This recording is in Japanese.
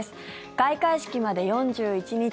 開会式まで４１日。